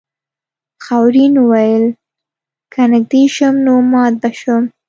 خاورین وویل که نږدې شم نو مات به شم.